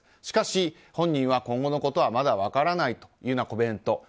しかし本人は今後のことはまだ分からないというコメント。